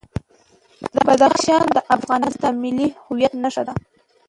بدخشان د افغانستان د ملي هویت نښه ده.